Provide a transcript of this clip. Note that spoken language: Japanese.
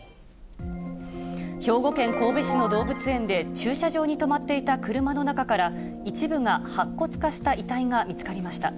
兵庫県神戸市の動物園で、駐車場に止まっていた車の中から、一部が白骨化した遺体が見つかりました。